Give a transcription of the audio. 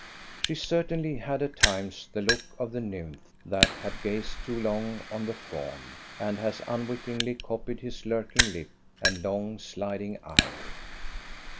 She certainly had at times the look of the nymph that has gazed too long on the faun, and has unwittingly copied his lurking lip and long sliding eye.